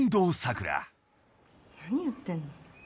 「何言ってんの？」